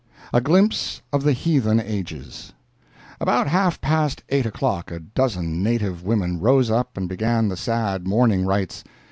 A GLIMPSE OF THE HEATHEN AGES About half past eight o'clock a dozen native women rose up and began the sad mourning rites.